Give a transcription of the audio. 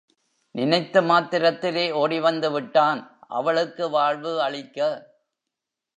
நினைத்த மாத்திரத்திலே ஓடி வந்து விட்டான், அவளுக்கு வாழ்வு அளிக்க.